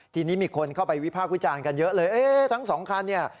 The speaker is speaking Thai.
ทีนี้มีคนเข้าไปวิพากษ์วิจารณ์กันเยอะเลยเอ๊ะทั้งสองคันเนี่ย